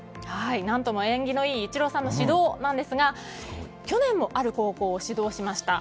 何とも縁起のいいイチローさんの指導ですが去年もある高校を指導しました。